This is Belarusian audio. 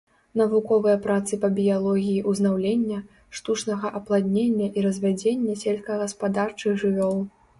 Навуковыя працы па біялогіі ўзнаўлення, штучнага апладнення і развядзення сельскагаспадарчых жывёл.